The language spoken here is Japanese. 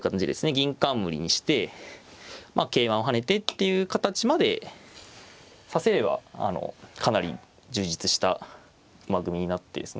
銀冠にして桂馬を跳ねてっていう形まで指せればかなり充実した駒組みになってですね。